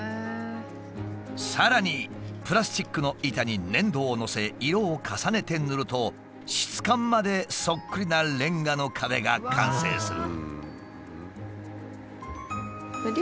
さらにプラスチックの板に粘土をのせ色を重ねて塗ると質感までそっくりなレンガの壁が完成する。